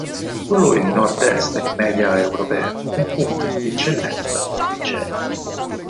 Solo il Nord-Est è in media europea, con punte di eccellenza nei licei.